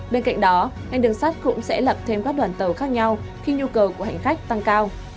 bên cạnh đó ngành đường sắt cũng sẽ lập thêm các đoàn tàu khác nhau khi nhu cầu của hành khách tăng cao